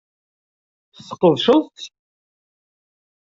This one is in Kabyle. Tesqedceḍ-tt?